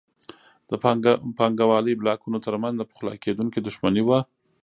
د پانګوالۍ بلاکونو ترمنځ نه پخلاکېدونکې دښمني وه.